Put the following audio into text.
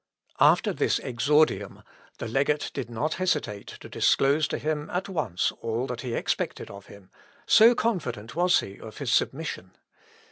After this exordium, the legate did not hesitate to disclose to him at once all that he expected of him so confident was he of his submission.